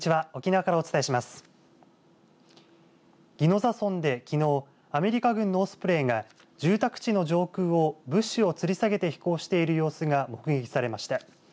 宜野座村できのうアメリカ軍のオスプレイが住宅地の上空を物資をつり下げて飛行している様子が目撃されました。